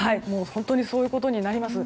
本当にそういうことになります。